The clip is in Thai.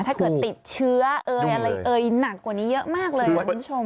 ถ้าเกิดติดเชื้อเอ่ยอะไรเอ่ยหนักกว่านี้เยอะมากเลยนะคุณผู้ชม